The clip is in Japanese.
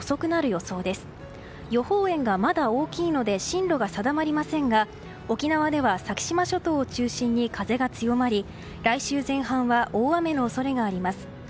予報円がまだ大きいので進路が定まりませんが沖縄では先島諸島を中心に風が強まり来週前半は大雨の恐れがあります。